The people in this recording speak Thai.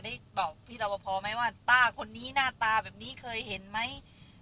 แกบอกพี่ลอเวิอภอร์ไหมว่าป้าขนนี้หน้าตายังมันเคยเห็นไหม